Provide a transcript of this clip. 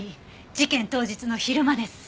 事件当日の昼間です。